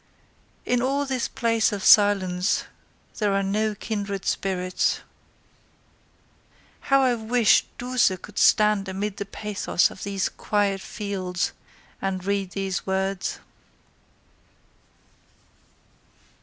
In all this place of silence There are no kindred spirits. How I wish Duse could stand amid the pathos Of these quiet fields And read these words.